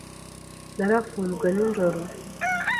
Narafunzwe nijoro.